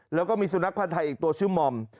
แล้วก็มีสุนัขพันธ์ไทยอีกตัวชื่อมอม